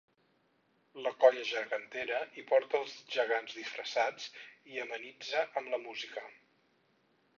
La Colla Gegantera hi porta els gegants disfressats i amenitza amb la música.